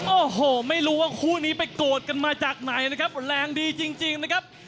โอ้โหไม่รู้ว่าคู่นี้ไปโกรธกันมาจากไหนนะครับแรงดีจริงนะครับ